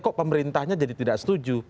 kok pemerintahnya jadi tidak setuju